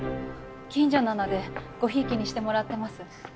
近所なのでごひいきにしてもらってます。